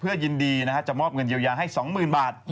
ยินดีจะมอบเงินเยียวยาให้๒๐๐๐บาท